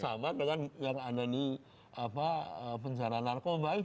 sama dengan yang ada di apa penjara narkoba itu